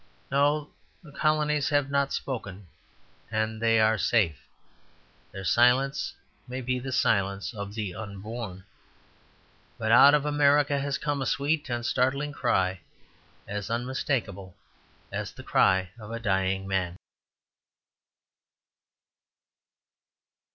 No; the colonies have not spoken, and they are safe. Their silence may be the silence of the unborn. But out of America has come a sweet and startling cry, as unmistakable as the cry of a dying man.